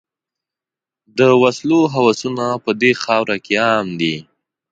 د وسلو هوسونه په دې خاوره کې عام دي.